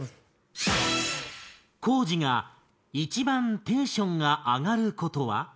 光司が一番テンションが上がることは？